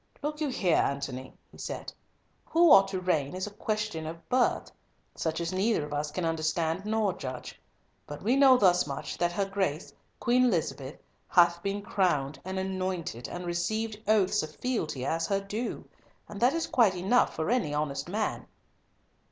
"Look you here, Antony," he said; "who ought to reign is a question of birth, such as neither of us can understand nor judge. But we know thus much, that her Grace, Queen Elizabeth, hath been crowned and anointed and received oaths of fealty as her due, and that is quite enough for any honest man."